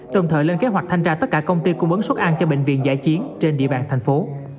đồng thời lên kế hoạch thanh tra tất cả công ty cung ứng suất ăn cho bệnh viện giải chiến trên địa bàn thành phố